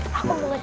kamu duduk bang